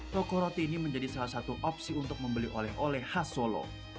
toko roti ini menjadi salah satu opsi untuk membeli oleh oleh khas solo